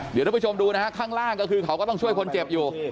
เดี๋ยวท่านผู้ชมดูนะฮะข้างล่างก็คือเขาก็ต้องช่วยคนเจ็บอยู่